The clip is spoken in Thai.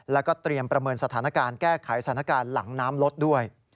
แล้วก็เตรียมประเมินสถานการณ์แก้ไขสถานการณ์หลังน้ำลดด้วย